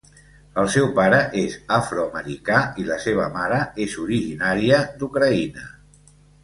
El seu pare és afroamericà i la seva mare és originària d'Ucraïna.